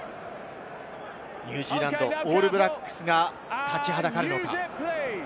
ニュージーランド、オールブラックスが立ちはだかるのか。